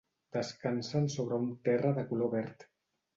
Descansen sobre un terra de color verd.